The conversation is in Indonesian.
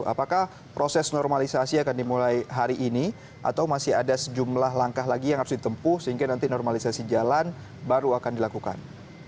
apakah proses normalisasi akan dimulai hari ini atau masih ada sejumlah langkah lagi yang harus ditempuh sehingga nanti normalisasi jalan baru akan dilakukan